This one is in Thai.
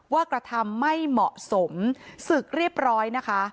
กระทำไม่เหมาะสมศึกเรียบร้อยนะคะ